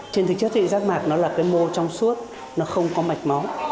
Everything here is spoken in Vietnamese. trên thực chất thì rác mạc là mô trong suốt không có mạch máu